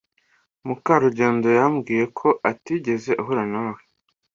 Mukarugendo yambwiye ko atigeze ahura nawe.